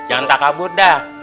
hai jangan takak buddha